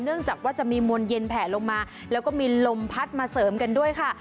จากว่าจะมีมวลเย็นแผ่ลงมาแล้วก็มีลมพัดมาเสริมกันด้วยค่ะ